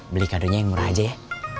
beli kadonya yang murah aja ya